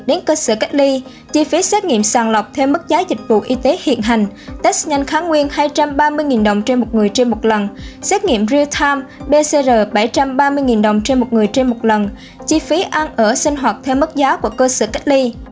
đến cơ sở cách ly chi phí xét nghiệm sàng lọc theo mức giá dịch vụ y tế hiện hành test nhanh kháng nguyên hai trăm ba mươi đồng trên một người trên một lần xét nghiệm real time pcr bảy trăm ba mươi đồng trên một người trên một lần chi phí ăn ở sinh hoạt theo mức giá của cơ sở cách ly